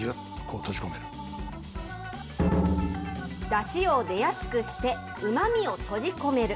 だしを出やすくして、うまみを閉じ込める。